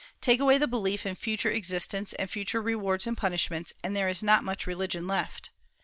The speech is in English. Take away the belief in future existence and future rewards and punishments, and there is not much religion left.